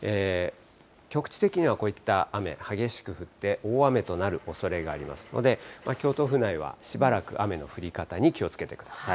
局地的にはこういった雨、激しく降って大雨となるおそれがありますので、京都府内はしばらく、雨の降り方に気をつけてください。